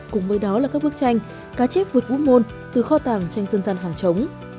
cùng với đó là các bức tranh cá chép vượt vũ môn từ kho tàng tranh dân gian hoàng trống